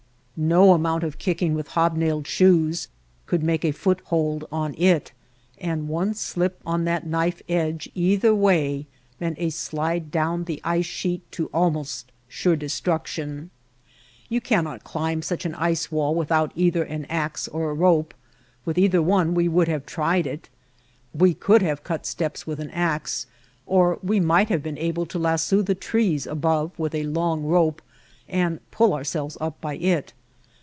No amount of kicking with hobnailed shoes could make a foothold on it, and one slip on that knife edge either way meant a slide down the ice sheet to almost sure destruction. You cannot climb such an ice wall without either an ax or a rope; with either one we would have tried it. We could have cut steps with an ax, or we might have been able to lasso the trees above with a long rope, and pull ourselves up by it.